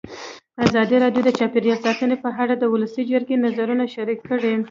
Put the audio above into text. ازادي راډیو د چاپیریال ساتنه په اړه د ولسي جرګې نظرونه شریک کړي.